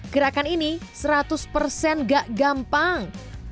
gerakan ini seratus persen gak gampang